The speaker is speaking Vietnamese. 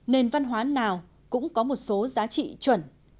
nền văn hóa nào cũng có một số giá trị chuẩn